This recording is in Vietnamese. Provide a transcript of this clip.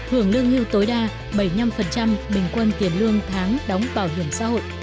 hưởng lương hưu tối đa bảy mươi năm bình quân tiền lương tháng đóng bảo hiểm xã hội